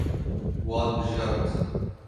Wan bijart.